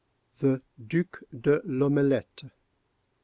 THE DUC DE L'OMELETTE.